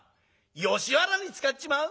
吉原に使っちまう？